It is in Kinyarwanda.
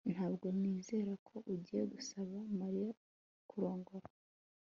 Ntabwo nizera ko ugiye gusaba Mariya kurongora